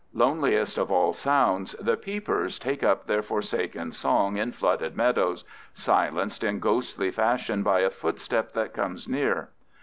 Loneliest of all sounds, the "peepers" take up their forsaken song in flooded meadows, silenced in ghostly fashion by a footstep that comes near.